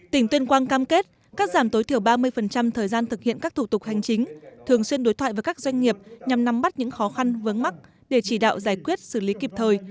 tỉnh tuyên quang cam kết cắt giảm tối thiểu ba mươi thời gian thực hiện các thủ tục hành chính thường xuyên đối thoại với các doanh nghiệp nhằm nắm bắt những khó khăn vướng mắt để chỉ đạo giải quyết xử lý kịp thời